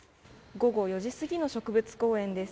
午後４時過ぎの植物公園です。